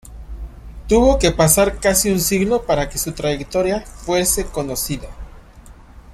Tuvo que pasar casi un siglo para que su trayectoria fuese reconocida.